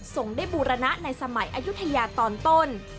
ส่งได้บูรณะในสมัยอายุทยาตอนต้น